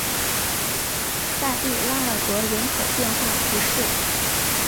萨蒂拉尔格人口变化图示